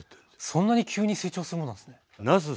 そんなに急に成長するものなんですね。